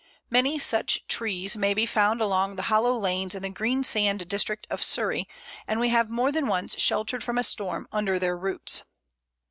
Many such trees may be found along the hollow lanes in the Greensand district of Surrey, and we have more than once sheltered from a storm under their roots.